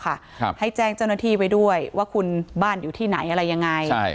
ครับให้แจ้งเจ้าหน้าที่ไว้ด้วยว่าคุณบ้านอยู่ที่ไหนอะไรยังไงใช่